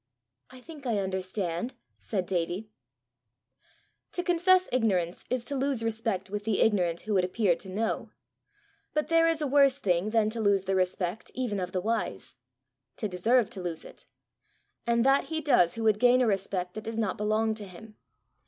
"I think I understand," said Davie. To confess ignorance is to lose respect with the ignorant who would appear to know. But there is a worse thing than to lose the respect even of the wise to deserve to lose it; and that he does who would gain a respect that does not belong to him.